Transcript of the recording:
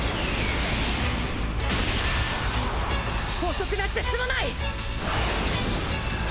遅くなってすまない！